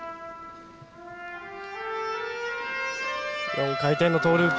４回転のトウループ。